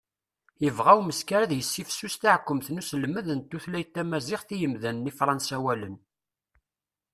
yebɣa umeskar ad yessifsus taɛekkumt n uselmed n tutlayt tamaziɣt i yimdanen ifransawalen